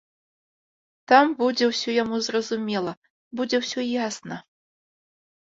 Там будзе ўсё яму зразумела, будзе ўсё ясна.